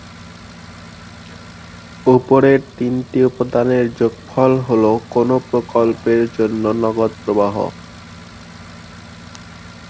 উপরের তিনটি উপাদানের যোগফল হ'ল কোনও প্রকল্পের জন্য নগদ প্রবাহ।